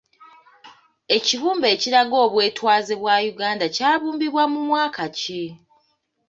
Ekibumbe ekiraga obwetwaze bwa Uganda kyabumbibwa mu mwaka ki?